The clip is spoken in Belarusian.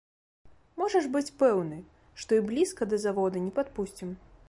Можаш быць пэўны, што і блізка да завода не падпусцім.